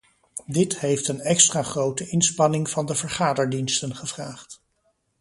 Dit heeft een extra grote inspanning van de vergaderdiensten gevraagd.